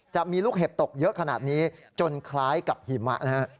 จะมีลูกเห็บตกเยอะขนาดนี้จนคล้ายกับหิมะนะฮะ